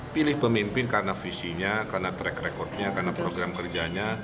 pilih pemimpin karena visinya karena track recordnya karena program kerjanya